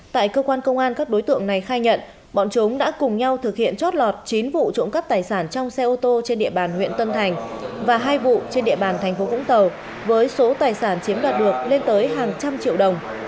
tại cơ quan công an các đối tượng này khai nhận bọn chúng đã cùng nhau thực hiện chót lọt chín vụ trộm cắp tài sản trong xe ô tô trên địa bàn huyện tân thành và hai vụ trên địa bàn thành phố vũng tàu với số tài sản chiếm đoạt được lên tới hàng trăm triệu đồng